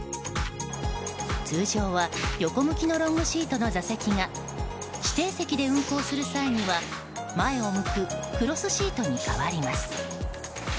通常は横向きのロングシートの座席が指定席で運行する際には前を向くクロスシートに変わります。